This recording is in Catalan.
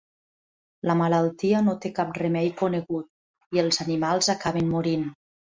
La malaltia no té cap remei conegut i els animals acaben morint.